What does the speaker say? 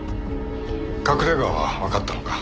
隠れ家はわかったのか？